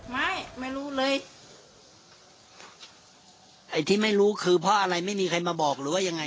ไม่รู้เลยไอ้ที่ไม่รู้คือเพราะอะไรไม่มีใครมาบอกหรือว่ายังไง